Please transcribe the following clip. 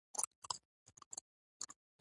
د لوګر په محمد اغه کې د مسو لوی کان دی.